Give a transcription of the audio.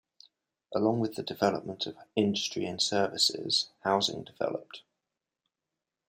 Along with the development of industry and services, housing developed.